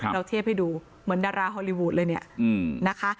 เทียบให้ดูเหมือนดาราฮอลลีวูดเลยเนี่ยนะคะ